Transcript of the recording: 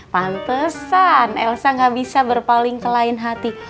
pantesan elsa gak bisa berpaling kelain hati